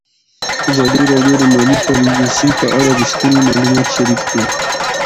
ازادي راډیو د مالي پالیسي په اړه رښتیني معلومات شریک کړي.